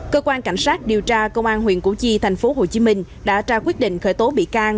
cơ quan cảnh sát điều tra công an huyện cụ chi thành phố hồ chí minh đã ra quyết định khởi tố bị can